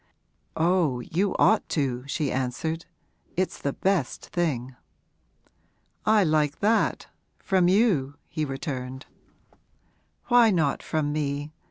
'Oh, you ought to,' she answered. 'It's the best thing.' 'I like that from you!' he returned. 'Why not from me?